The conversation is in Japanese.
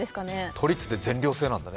都立で全寮制なんだね。